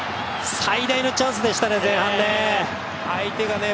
最大のチャンスでしたね前半ね。